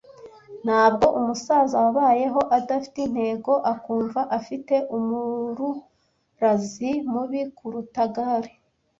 Ntabwo umusaza wabayeho adafite intego, akumva afite umururazi mubi kuruta gall,